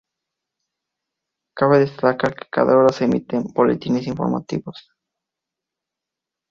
Cabe destacar que cada hora se emiten boletines informativos.